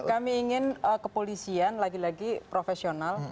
kami ingin kepolisian lagi lagi profesional